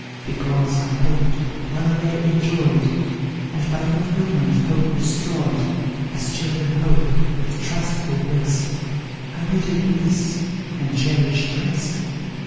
'Because, I hoped while they enjoyed, And by fulfilment, hope destroyed; As children hope, with trustful breast, I waited bliss and cherished rest.